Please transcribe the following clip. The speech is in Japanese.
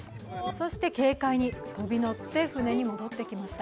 そして軽快に飛び乗って船に戻ってきました。